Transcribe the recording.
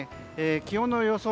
気温の予想